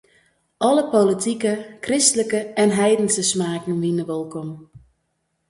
Alle politike, kristlike en heidense smaken wiene wolkom.